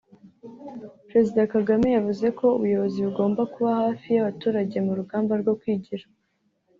Perezida Kagame yavuze ko ubuyobozi bugomba kuba hafi y’abaturage mu rugamba rwo kwigira